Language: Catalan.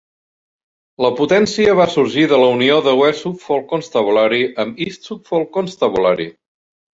La potència va sorgir de la unió de West Suffolk Constabulary amb East Suffolk Constabulary.